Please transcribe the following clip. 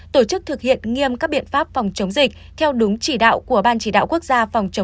tổ chức thực hiện nghiêm các biện pháp phòng chống dịch theo đúng chỉ đạo của ban chỉ đạo quốc gia phòng chống